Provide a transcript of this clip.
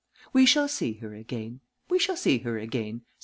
"We shall see her again, we shall see her again," said M.